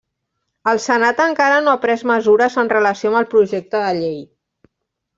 El Senat encara no ha pres mesures en relació amb el projecte de llei.